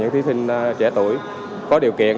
thí sinh trẻ tuổi có điều kiện